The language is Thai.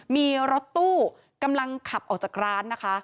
มีรถตู้กำลังขับออกจากร้านนะคะ